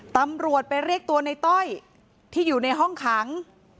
ตำรวจไปเรียกตัวในต้อยที่อยู่ในห้องขัง